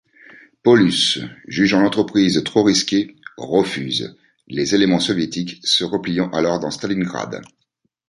Paulus, jugeant l'entreprise trop risquée, refuse, les éléments soviétiques se repliant alors dans Stalingrad.